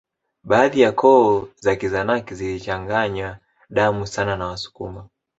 Baadhi ya koo za Kizanaki zilichanganya damu sana na Wasukuma